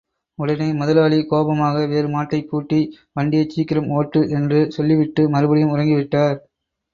உடனே முதலாளி கோபமாக வேறு மாட்டைப் பூட்டி வண்டியைச் சீக்கிரம் ஒட்டு என்று சொல்லிவிட்டு மறுபடியும் உறங்கிவிட்டார்.